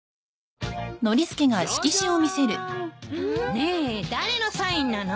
ねえ誰のサインなの？